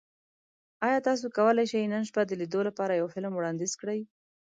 ایا تاسو کولی شئ نن شپه د لیدو لپاره یو فلم وړاندیز کړئ؟